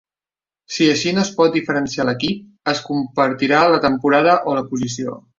Si així no es pot diferenciar l'equip, es compartirà la temporada o la posició.